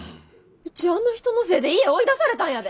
うちあの人のせいで家追い出されたんやで。